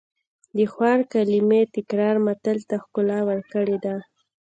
د خوار کلمې تکرار متل ته ښکلا ورکړې ده